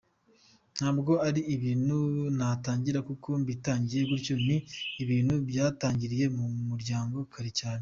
Ntabwo ari ibintu natangiye kuko mbitangiye gutyo, ni ibintu byatangiriye mu muryango kare cyane.